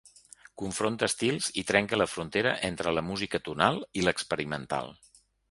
Confronta estils i trenca la frontera entre la música tonal i l’experimental.